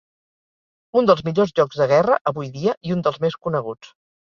Un dels millors jocs de guerra avui dia i un dels més coneguts.